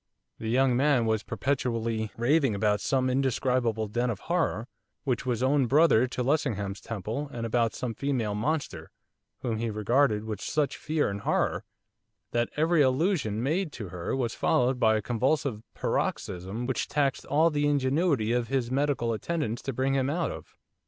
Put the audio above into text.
The young man was perpetually raving about some indescribable den of horror which was own brother to Lessingham's temple and about some female monster, whom he regarded with such fear and horror that every allusion he made to her was followed by a convulsive paroxysm which taxed all the ingenuity of his medical attendants to bring him out of.